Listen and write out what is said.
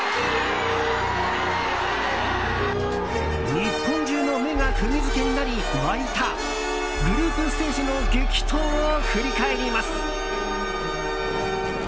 日本中の目が釘付けになり沸いたグループステージの激闘を振り返ります。